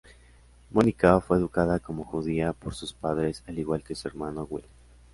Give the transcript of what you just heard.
Mónica fue educada como judía por sus padres al igual que su hermano, Will.